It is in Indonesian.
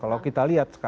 kalau kita lihat